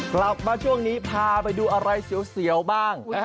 กลับมาช่วงนี้พาไปดูอะไรเสียวบ้าง